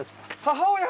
母親？